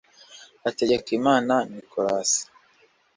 Hategekimana Nicolas